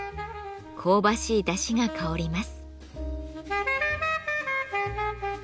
香ばしいだしが香ります。